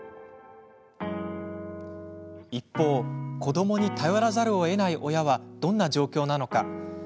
一方、子どもに頼らざるをえない親は、どんな状況なのか。